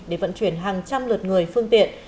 để vận chuyển hàng trăm lượt người phương tiện